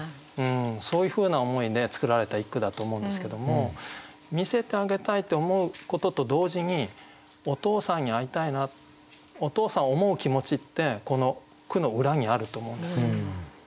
そういうふうな思いで作られた一句だと思うんですけども見せてあげたいって思うことと同時にお父さんに会いたいなお父さんを思う気持ちってこの句の裏にあると思うんですよ。